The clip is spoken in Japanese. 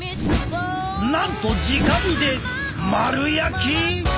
なんと直火で丸焼き！？